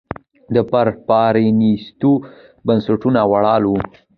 دا پر پرانېستو بنسټونو ولاړ و